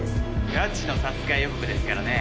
ガチの殺害予告ですからね